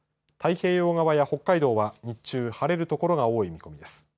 太平洋側や北海道は日中晴れる所が多い見込みです。